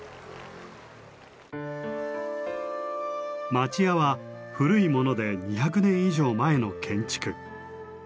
町家は古いもので２００年以上前の建築。